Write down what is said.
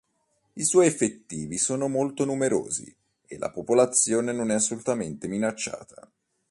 I suoi effettivi sono molto numerosi e la popolazione non è assolutamente minacciata.